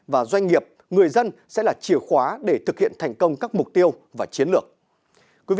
và doanh nghiệp người dân sẽ là chìa khóa để thực hiện thành công các mục tiêu và chiến lược